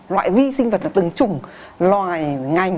loại vi sinh vật là từng chủng loại ngành